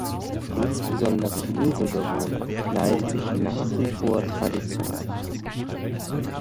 Insbesondere die Inselbewohner kleiden sich nach wie vor traditionell.